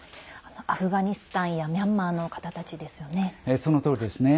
アフガニスタンやミャンマーの方たちですよね。